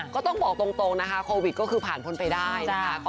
ก็ต้องบอกตรงนะคะโควิดก็คือผ่านพ้นไปได้นะคะ